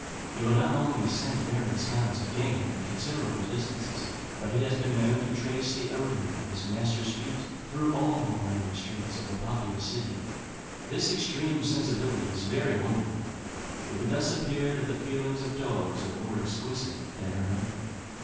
He will not only scent various kinds of game at considerable distances, but he has been known to trace the odour of his master's feet through all the winding streets of a populous city. This extreme sensibility is very wonderful. It would thus appear that the feelings of dogs are more exquisite than our own.